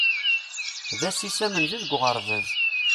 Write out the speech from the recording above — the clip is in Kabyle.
D ass-is amenzu deg uɣerbaz.